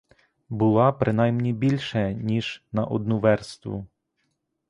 Була принаймні більше, ніж на одну верству.